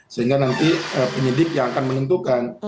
sehingga nanti penyidik yang akan menentukan